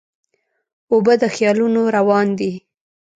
اوبه د خیالونو روان دي.